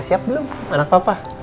siap belum anak papa